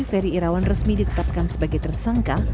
ferry irawan resmi ditetapkan sebagai tersangka